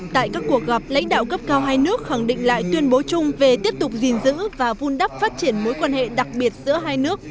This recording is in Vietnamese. tại các cuộc gặp lãnh đạo cấp cao hai nước khẳng định lại tuyên bố chung về tiếp tục gìn giữ và vun đắp phát triển mối quan hệ đặc biệt giữa hai nước